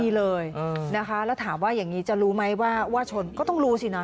เลยนะคะแล้วถามว่าอย่างนี้จะรู้ไหมว่าชนก็ต้องรู้สินะ